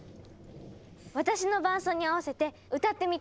私の伴奏に合わせて歌ってみて。